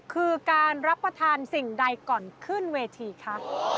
คือการรับประทานสิ่งใดก่อนขึ้นเวทีคะ